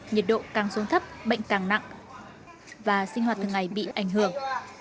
nhiệt độ càng xuống thấp bệnh càng nặng và sinh hoạt thường ngày bị ảnh hưởng